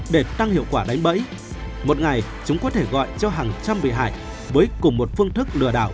để tăng hiệu quả đánh bẫy một ngày chúng có thể gọi cho hàng trăm bị hại với cùng một phương thức lừa đảo